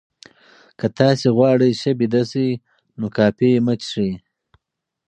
که تاسي غواړئ ښه ویده شئ، نو کافي مه څښئ.